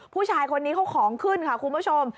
ผู้ชายคนนี้เขาของขึ้นค่ะคุณผู้ชม